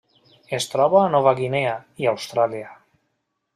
Es troba a Nova Guinea i Austràlia.